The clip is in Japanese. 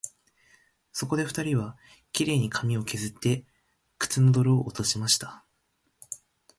そこで二人は、綺麗に髪をけずって、靴の泥を落としました